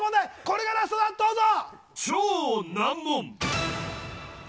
これがラストだ、どうぞ。